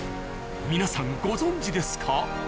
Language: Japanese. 皆さんご存じですか？